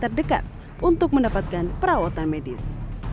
terdekat untuk mendapatkan perawatan medis